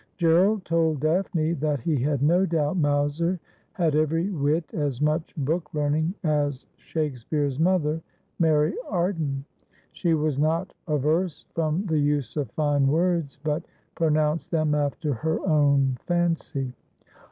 Gerald told Daphne that he had no doubt Mowser had every whit as much book learning as Shakespeare's mother, Mary Arden. She was not averse from the use of fine words, but pronounced them after her own fancy.